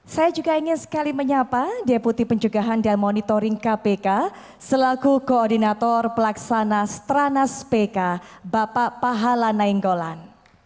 saya juga ingin sekali menyapa deputi pencegahan dan monitoring kpk selaku koordinator pelaksana stranas pk bapak pahala nainggolan